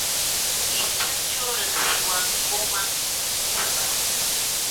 Ichachu riqsiwankuman nispa.